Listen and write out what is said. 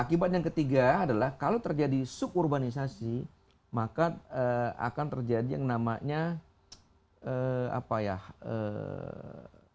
akibat yang ketiga adalah kalau terjadi suburbanisasi maka akan terjadi yang namanya apa ya